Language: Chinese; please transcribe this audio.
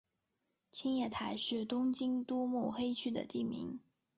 青叶台是东京都目黑区的地名。